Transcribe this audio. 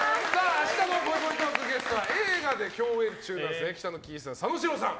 明日のぽいぽいトーク、ゲストは映画で共演中の北乃きいさん、佐野史郎さん